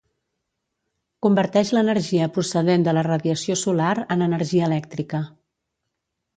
converteix l'energia procedent de la radiació solar en energia elèctrica